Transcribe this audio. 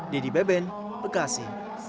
didi beben bekasi